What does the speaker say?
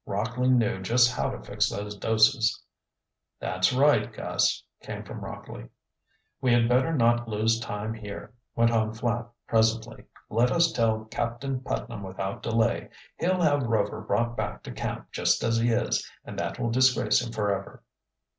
Rockley knew just how to fix those doses." "That's right, Gus," came from Rockley. "We had better not lose time here," went on Flapp presently. "Let us tell Captain Putnam without delay. He'll have Rover brought back to camp just as he is, and that will disgrace him forever."